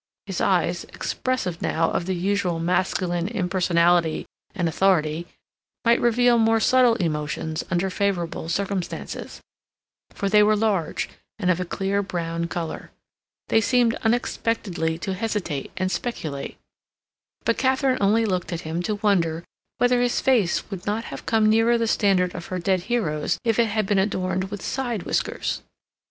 His eyes, expressive now of the usual masculine impersonality and authority, might reveal more subtle emotions under favorable circumstances, for they were large, and of a clear, brown color; they seemed unexpectedly to hesitate and speculate; but Katharine only looked at him to wonder whether his face would not have come nearer the standard of her dead heroes if it had been adorned with side whiskers.